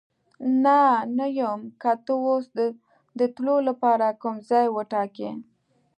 نه، نه یم، که ته اوس د تلو لپاره کوم ځای وټاکې.